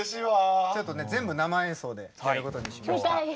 ちょっとね全部生演奏でやることにしました。